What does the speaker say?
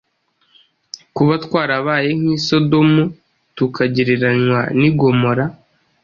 tuba twarabaye nk’i Sodomu, tukagereranywa n’i Gomora